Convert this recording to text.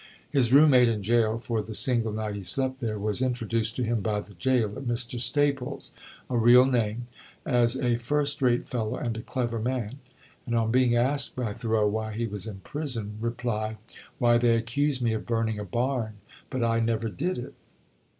His room mate in jail for the single night he slept there, was introduced to him by the jailer, Mr. Staples (a real name), as "a first rate fellow and a clever man," and on being asked by Thoreau why he was in prison, replied, "Why, they accuse me of burning a barn, but I never did it."